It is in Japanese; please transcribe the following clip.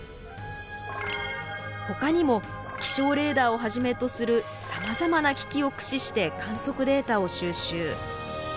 ほかにも気象レーダーをはじめとするさまざまな機器を駆使して観測データを収集。